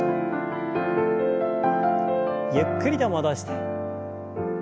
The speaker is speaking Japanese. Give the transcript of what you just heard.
ゆっくりと戻して。